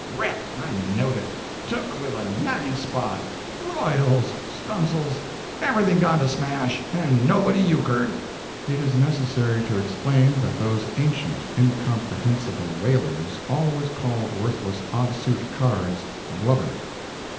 Rip! I knowed it! took with a nine spot! royals, stuns'ls—everything, gone to smash, and nobody euchred!" It is necessary to explain that those ancient, incomprehensible whalers always called worthless odd suit cards "blubber."